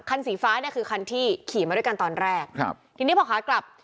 สีฟ้าเนี่ยคือคันที่ขี่มาด้วยกันตอนแรกครับทีนี้พอขากลับ